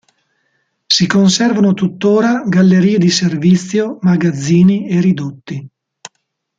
Si conservano tuttora gallerie di servizio, magazzini e ridotti.